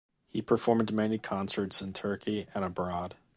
He performed many concerts in Turkey and abroad.